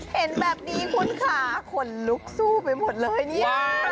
เห็นแบบนี้คุณค่ะขนลุกสู้ไปหมดเลยเนี่ย